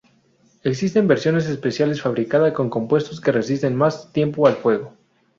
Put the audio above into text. Existen versiones especiales fabricada con compuestos que resisten más tiempo al fuego.